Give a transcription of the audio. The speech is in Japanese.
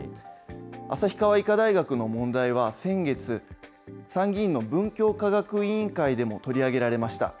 旭川医科大学の問題は、先月、参議院の文教科学委員会でも取り上げられました。